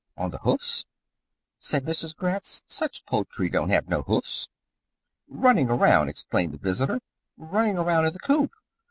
"On the hoofs?" said Mrs. Gratz. "Such poultry don't have no hoofs." "Runnin' around," explained the visitor. "Runnin' around in the coop.